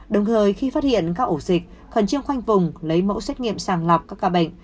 đồng thời khi phát hiện các ổ dịch khẩn trương khoanh vùng lấy mẫu xét nghiệm sàng lọc các ca bệnh